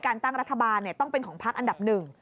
ตั้งรัฐบาลต้องเป็นของพักอันดับหนึ่ง